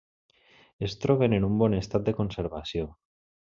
Es troben en un bon estat de conservació.